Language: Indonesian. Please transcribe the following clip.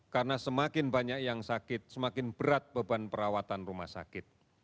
karena semakin banyak yang sakit semakin berat beban perawatan rumah sakit